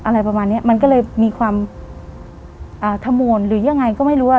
อะไรประมาณเนี้ยมันก็เลยมีความขมวลหรือยังไงก็ไม่รู้ว่า